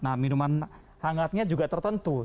nah minuman hangatnya juga tertentu